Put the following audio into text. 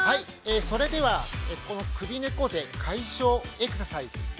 ◆それでは、この首猫背解消エクササイズ。